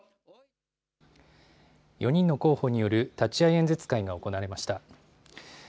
４人の候補による立会演説会が行われました。